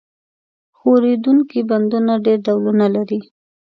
ښورېدونکي بندونه ډېر ډولونه لري.